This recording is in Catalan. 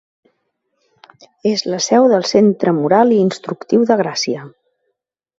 És la seu del Centre Moral i Instructiu de Gràcia.